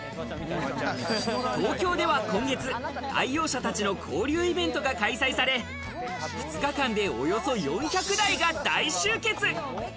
東京では今月、愛用者たちの交流イベントが開催され、２日間で、およそ４００台が大集結！